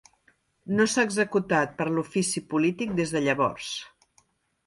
No s'ha executat per a l'ofici polític des de llavors.